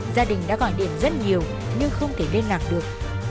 gia đình đã gọi điện rất nhiều nhưng không thể liên lạc được